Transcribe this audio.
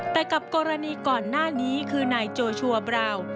แต่กับกรณีก่อนหน้านี้คือนายโจชัวร์บราว